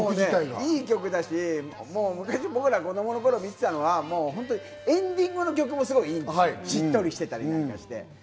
いい曲だし、子供の頃見てたのはエンディングの曲もすごくいいんですよ、しっとりしてたりなんかして。